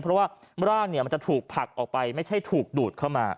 เพราะว่าร่างเนี่ยมันจะถูกผลักออกไปไม่ใช่ถูกดูดเข้ามา